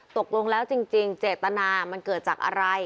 ตกลงแล้วจริงเจตนามันเกิดจากอะไร